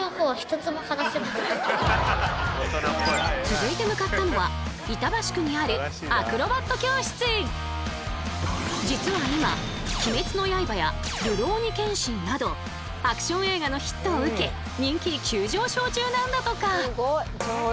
続いて向かったのは板橋区にある実は今「鬼滅の刃」や「るろうに剣心」などアクション映画のヒットを受け人気急上昇中なんだとか！